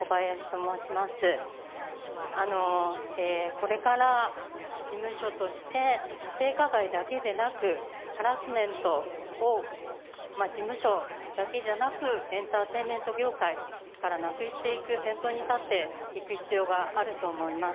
これから事務所として性加害だけでなくハラスメントを事務所だけじゃなくエンターテインメント業界からなくしていく先頭に立っていく必要があると思います。